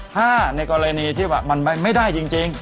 ถ้าในกรณีที่ว่ามันไม่ได้จริง